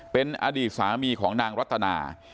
เป็นอดีตสามีของนางรัตนา